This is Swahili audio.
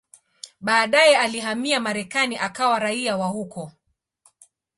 Baadaye alihamia Marekani akawa raia wa huko.